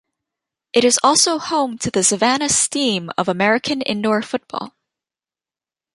It is also home to the Savannah Steam of American Indoor Football.